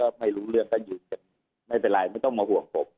ก็ไม่รู้เรื่องก็อยู่กันไม่เป็นไรไม่ต้องมาห่วงผม